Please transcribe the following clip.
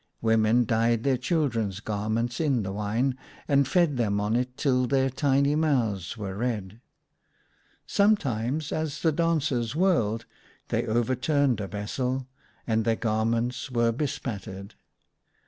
Women dyed their children's garments in the wine, and fed them on it till their tiny mouths were red. Sometimes, as the dancers whirled, they overturned a vessel, and their garments were be spattered.